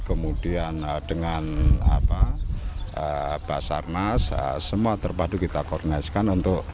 kemudian dengan basarnas semua terpadu kita koordinasikan untuk